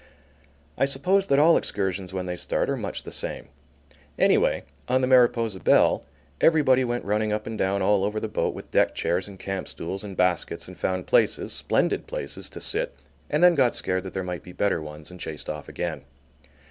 I suppose that all excursions when they start are much the same. Anyway, on the Mariposa Belle everybody went running up and down all over the boat with deck chairs and camp stools and baskets, and found places, splendid places to sit, and then got scared that there might be better ones and chased off again.